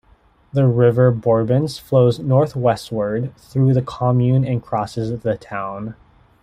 The river Bourbince flows northwestward through the commune and crosses the town.